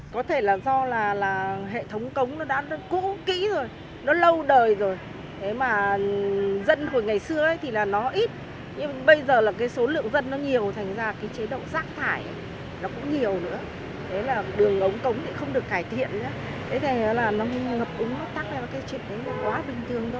có thể là do là hệ thống cống nó đã cũ kĩ rồi nó lâu đời rồi thế mà dân hồi ngày xưa thì nó ít nhưng bây giờ là số lượng dân nó nhiều thành ra cái chế độ rác thải